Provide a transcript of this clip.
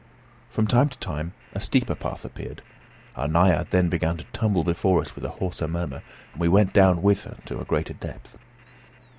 From time to time, a steeper path appeared; our naiad then began to tumble before us with a hoarser murmur, and we went down with her to a greater depth.